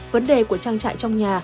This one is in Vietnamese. vấn đề của trang trại trong nhà